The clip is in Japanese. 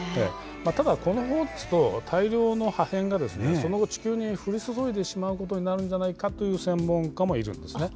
ただ、この装置と大量の破片が、その後地球に降り注いでしまうことになるんじゃないかという専門家もいるんですね。